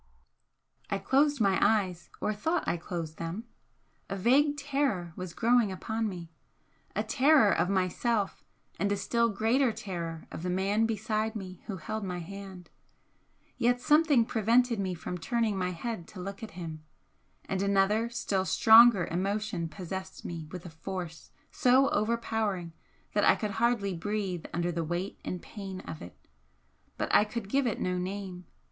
I closed my eyes, or thought I closed them a vague terror was growing upon me, a terror of myself and a still greater terror of the man beside me who held my hand, yet something prevented me from turning my head to look at him, and another still stronger emotion possessed me with a force so overpowering that I could hardly breathe under the weight and pain of it, but I could give it no name.